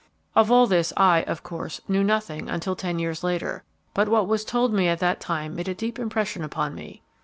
"Of all this I, of course, knew nothing until ten years later, but what was told me at that time made a deep impression upon me.